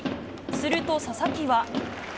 すると佐々木は。